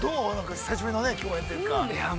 久しぶりの共演というか。